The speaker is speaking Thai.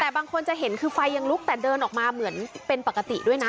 แต่บางคนจะเห็นคือไฟยังลุกแต่เดินออกมาเหมือนเป็นปกติด้วยนะ